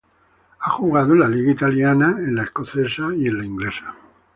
Ha jugado en la liga italiana, en la escocesa y en la inglesa.